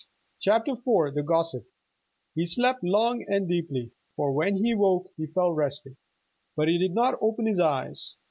CHAPTER IV THE GOSSIP He slept long and deeply, for when he woke he felt rested. But he did not open his eyes.